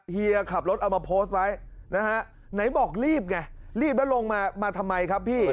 เฮียขับรถเอามาโพสต์ไว้นะฮะไหนบอกรีบไงรีบแล้วลงมามาทำไมครับพี่